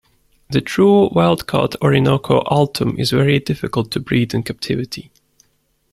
The true wildcaught Orinoco altum is very difficult to breed in captivity.